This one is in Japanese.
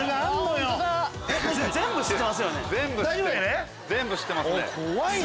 全部知ってますよね！